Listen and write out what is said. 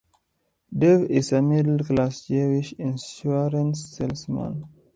Dave is a middle class Jewish insurance salesman.